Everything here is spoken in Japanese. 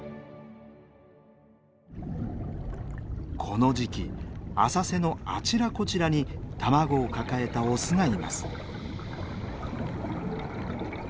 この時期浅瀬のあちらこちらに卵を抱えたオスがいます。